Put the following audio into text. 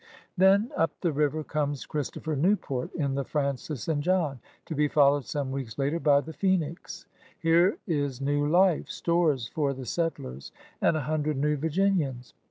••• Then up the river comes Christopher Newport in the Francis and John, to be followed some weeks later by the Phcmix. Here is new life — stores for the settlers and a himdred new Virginians!